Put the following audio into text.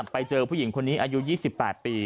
ไปเจอผู้หญิงคนนี้อายุ๒๘ปี